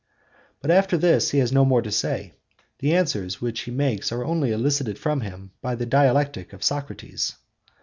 But after this he has no more to say; the answers which he makes are only elicited from him by the dialectic of Socrates.